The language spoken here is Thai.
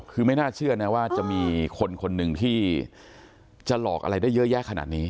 คือไม่น่าเชื่อนะว่าจะมีคนคนหนึ่งที่จะหลอกอะไรได้เยอะแยะขนาดนี้